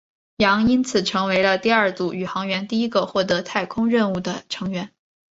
杨因此成为了第二组宇航员第一个获得太空任务的成员。